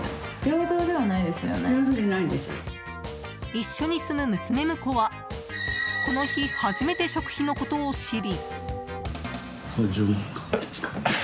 一緒に住む娘婿はこの日初めて食費のことを知り。